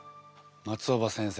松尾葉先生